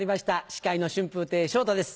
司会の春風亭昇太です。